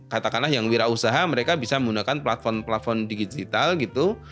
katakanlah yang wira usaha mereka bisa menggunakan platform platform digital gitu